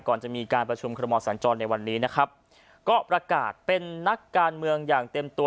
ก่อนจะมีการประชุมคอรมอสัญจรในวันนี้นะครับก็ประกาศเป็นนักการเมืองอย่างเต็มตัว